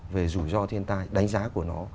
về rủi ro thiên tai đánh giá của nó